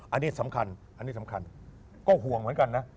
อันนี้สำคัญอันนี้สำคัญก็ห่วงเหมือนกันนะ